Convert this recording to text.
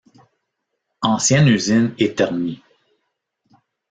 Ancienne usine Eternit.